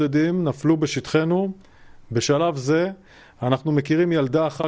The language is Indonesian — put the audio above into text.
dan dibangun di pusat tiongkok di utara dengan pesawat yang mudah